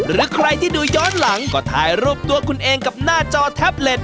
หรือใครที่ดูย้อนหลังก็ถ่ายรูปตัวคุณเองกับหน้าจอแท็บเล็ต